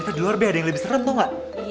ternyata di luar b ada yang lebih serem tahu gak